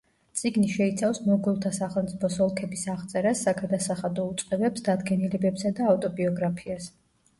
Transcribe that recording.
წიგნი შეიცავს მოგოლთა სახელმწიფოს ოლქების აღწერას, საგადასახადო უწყებებს, დადგენილებებსა და ავტობიოგრაფიას.